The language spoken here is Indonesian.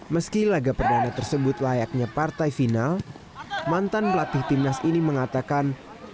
meski laga perdana tersebut layaknya partai final mantan pelatih timnas ini mengatakan